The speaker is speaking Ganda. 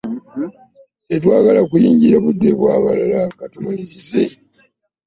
Tetwagala kuyingirira budde bwa balala ka tumalirize.